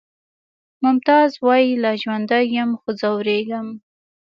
ممتاز وایی لا ژوندی یم خو ځورېږم